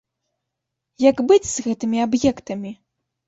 Як быць з гэтымі аб'ектамі?